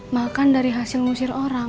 makan dari hasil musil orang